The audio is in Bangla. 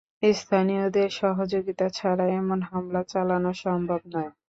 স্থানীয়দের সহযোগিতা ছাড়া এমন হামলা চালানো সম্ভব নয়।